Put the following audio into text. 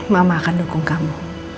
mama akan dukung kamu